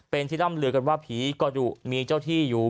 เป็นที่ร่ำลือกันว่าผีกระดุมีเจ้าที่อยู่